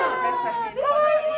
かわいい！